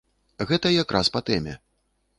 Гэта якраз па тэме.